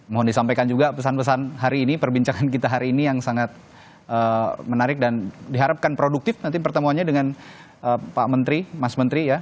mohon disampaikan juga pesan pesan hari ini perbincangan kita hari ini yang sangat menarik dan diharapkan produktif nanti pertemuannya dengan pak menteri mas menteri ya